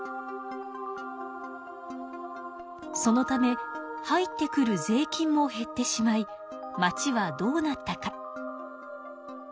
そのため入ってくる税金も減ってしまい町はどうなったか？